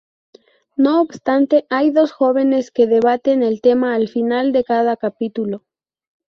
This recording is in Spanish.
No obstante, hay dos jóvenes que debaten el tema al final de cada capítulo.